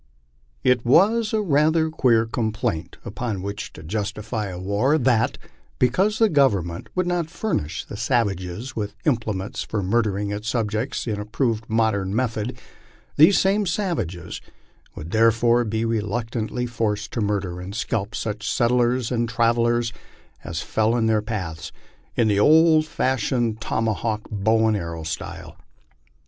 It was rather a queer complaint upon which to justify a war that, because the Government would not furnish the sav ages with implements for murdering its subjects in approved modern method, these same savages would therefore be reluctantly forced to murder and scalp gueh settlers and travellers as fell in their paths, in the old fashioned toma hawk, bow and arrow style.